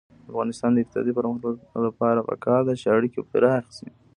د افغانستان د اقتصادي پرمختګ لپاره پکار ده چې اړیکې پراخې شي.